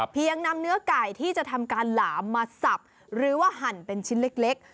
ยังนำเนื้อไก่ที่จะทำการหลามมาสับหรือว่าหั่นเป็นชิ้นเล็ก